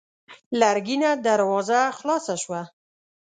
لرګينه دروازه خلاصه شوه.